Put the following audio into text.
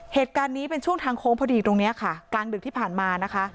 เหตุการณ์นี้เป็นช่วงทางโค้งพอดีตรงนี้ค่ะกลางดึกที่ผ่านมานะคะ